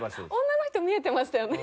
女の人見えてましたよね